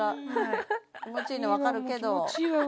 気持ちいいの分かるけどいいわ